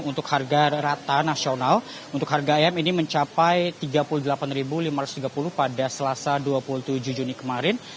untuk harga rata nasional untuk harga ayam ini mencapai rp tiga puluh delapan lima ratus tiga puluh pada selasa dua puluh tujuh juni kemarin